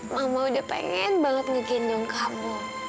mama udah pengen banget ngegendong kamu